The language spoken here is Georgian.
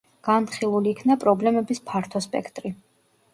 განხილულ იქნა პრობლემების ფართო სპექტრი.